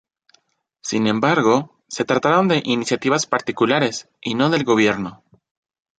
Sin embargo, se trataron de iniciativas particulares y no del gobierno.